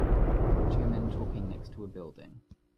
Two men talking next to a building.